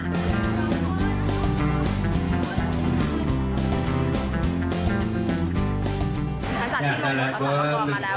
ทางสรรพิมพ์ก็สร้างพันธุ์วันมาแล้ว